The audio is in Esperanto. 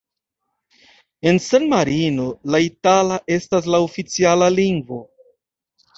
En San-Marino la itala estas la oficiala lingvo.